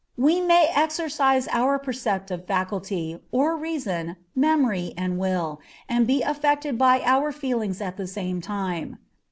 We may exercise our perceptive faculty, or reason, memory, and will, and be affected by our feelings at the same time.